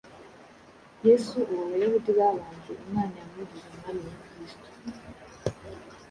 Yesu uwo Abayahudi babambye, Imana yamugize Umwami na Kristo.”